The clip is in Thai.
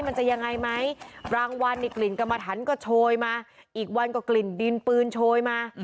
มันจะยังไงไหมรางวัลนี่กลิ่นกรรมฐานก็โชยมาอีกวันก็กลิ่นดินปืนโชยมา